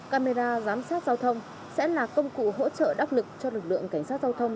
camera giám sát giao thông sẽ là công cụ hỗ trợ đắc lực cho lực lượng cảnh sát giao thông